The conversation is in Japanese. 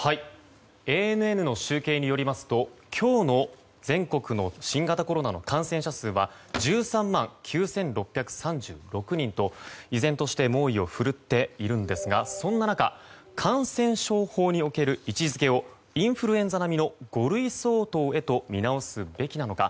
ＡＮＮの集計によりますと今日の全国の新型コロナの感染者数は１３万９６３６人と依然として猛威を振るっているんですがそんな中感染症法における位置付けをインフルエンザ並みの５類相当へと見直すべきなのか。